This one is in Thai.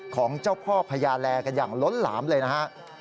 ของเจ้าพ่อพญาแลกันอย่างล้นหลามเลยนะฮะ